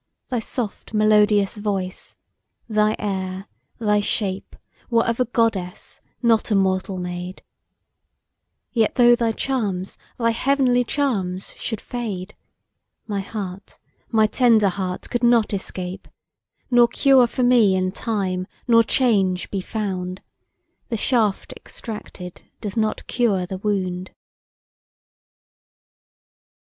Thy soft melodious voice, thy air, thy shape, Were of a goddess not a mortal maid; Yet though thy charms, thy heavenly charms should fade, My heart, my tender heart could not escape; Nor cure for me in time or change be found: The shaft extracted does not cure the wound!